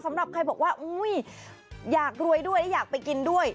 สำหรับใครบอกว่าอุ้ยอยากรวยด้วยและอยากไปกินด้วย